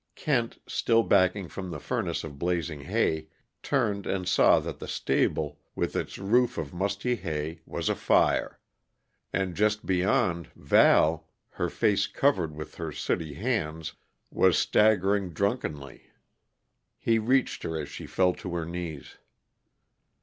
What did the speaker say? Kent, still backing from the furnace of blazing hay, turned, and saw that the stable, with its roof of musty hay, was afire. And, just beyond, Val, her face covered with her sooty hands, was staggering drunkenly. He reached her as she fell to her knees.